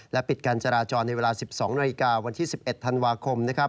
ปิดการจราจรในเวลา๑๒นาฬิกาวันที่๑๑ธันวาคมนะครับ